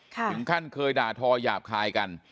ถึงขั้นเคยด่าทอหยาบคายกัน